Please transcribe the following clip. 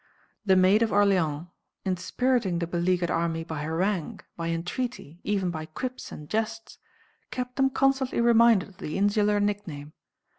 The Maid of Orleans, inspiriting the beleaguered army by harangue, by entreaty, even by quips and jests, kept them constantly reminded of the insular nickname.